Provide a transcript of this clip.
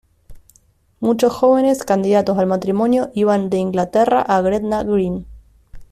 Muchos jóvenes candidatos al matrimonio iban de Inglaterra a Gretna Green.